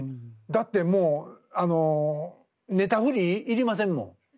だってもうあのネタ振りいりませんもん。